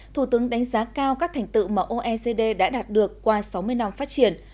thủ tướng đánh giá cao các thành tựu mà oecd đã đạt được qua sáu mươi năm phát triển